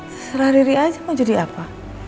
terserah riri aja mau jadi apa